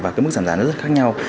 và cái mức giảm giá nó rất khác nhau